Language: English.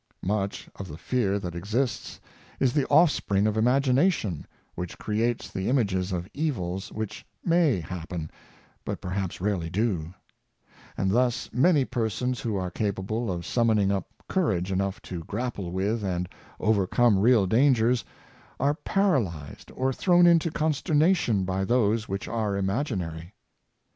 Much of the fear that exists is the offspring of imag ination, which creates the images of evils which may happen, but perhaps rarely do; and thus many persons who are capable of summoning up courage enough to grapple with and overcome real dangers, are paralyzed or thrown into consternation by those which are imagi nary.